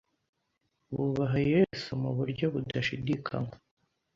bubaha Yesu mu buryo budashidikanywa,